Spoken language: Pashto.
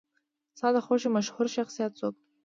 ستا د خوښې مشهور شخصیت څوک دی؟